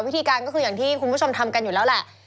วิธีการก็คืออย่างที่คุณผู้ชมทำกันอยู่แล้วแหละ